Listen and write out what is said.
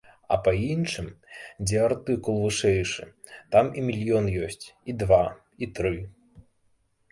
А па іншым, дзе артыкул вышэйшы, там і мільён ёсць, і два, і тры.